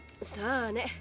さあね